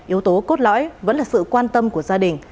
yếu tố cốt lõi vẫn là sự quan tâm của gia đình